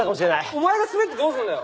お前が滑ってどうすんだよ？